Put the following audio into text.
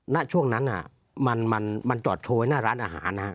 ณช่วงนั้นอ่ะมันมันมันจอดโชว์ไว้หน้าร้านอาหารนะครับ